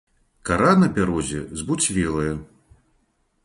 Кара на бярозе збуцвелая.